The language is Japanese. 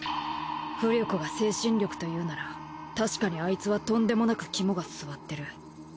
巫力が精神力というなら確かにアイツはとんでもなく肝がすわってる。